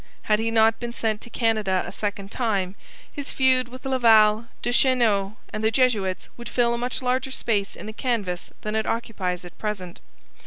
Had he not been sent to Canada a second time, his feud with Laval, Duchesneau, and the Jesuits would fill a much larger space in the canvas than it occupies at present.